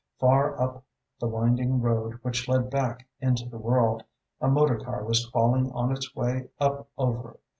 Far up the winding road which led back into the world, a motor car was crawling on its way up over.